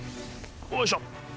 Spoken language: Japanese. よいしょ